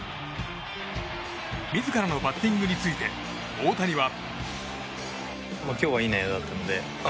自らのバッティングについて大谷は。